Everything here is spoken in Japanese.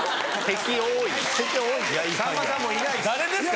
さんまさんいないです。